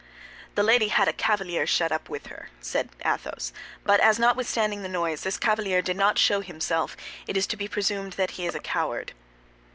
"The lady had a cavalier shut up with her," said Athos, "but as notwithstanding the noise, this cavalier did not show himself, it is to be presumed that he is a coward."